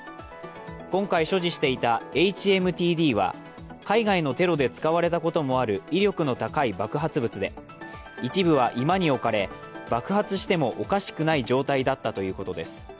今回所持していたＨＭＴＤは海外のテロで使われたこともある威力の高い爆発物で一部は居間に置かれ爆発してもおかしくない状態だったということです。